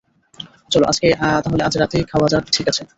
চল তাহলে আজ রাতেই খাওয়া যাক - ঠিক আছে।